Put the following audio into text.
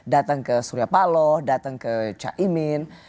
datang ke surya paloh datang ke caimin